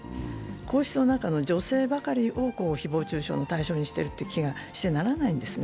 皇室の中の女性ばかりを誹謗中傷の対象にしているという気がしてならないんですね。